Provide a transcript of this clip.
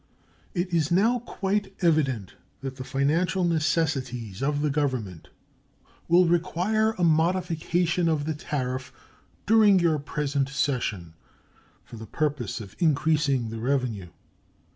It is now quite evident that the financial necessities of the Government will require a modification of the tariff during your present session for the purpose of increasing the revenue.